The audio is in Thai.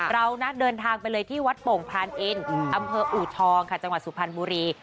เรานะเดินทางไปเลยที่วัดโป่งพรานอินอำเภออูทองค่ะจังหวัดสุพรรณบุรี